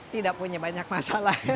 tidak punya banyak masalah